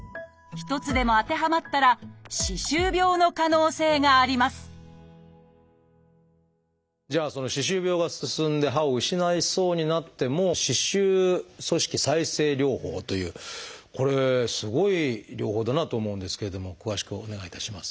一つでも当てはまったら歯周病の可能性がありますじゃあ歯周病が進んで歯を失いそうになっても「歯周組織再生療法」というこれすごい療法だなと思うんですけれども詳しくお願いいたします。